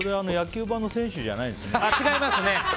違いますね。